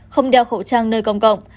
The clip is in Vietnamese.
không đeo khẩu trang nơi công cộng